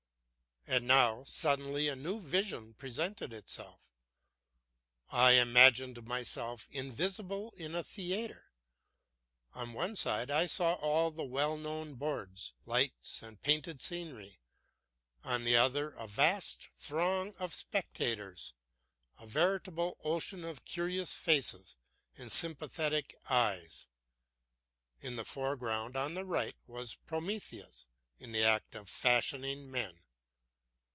And now suddenly a new vision presented itself. I imagined myself invisible in a theatre. On one side I saw all the well known boards, lights and painted scenery; on the other a vast throng of spectators, a veritable ocean of curious faces and sympathetic eyes. In the foreground, on the right, was Prometheus, in the act of fashioning men.